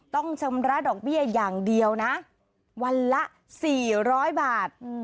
ต้องชำระดอกเบี้ยอย่างเดียวนะวันละ๔๐๐บาท